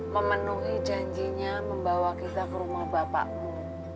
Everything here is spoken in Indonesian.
memenuhi janjinya membawa kita ke rumah bapakmu